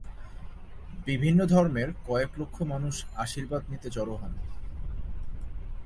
বিভিন্ন ধর্মের কয়েক লক্ষ মানুষ আশীর্বাদ নিতে জড়ো হন।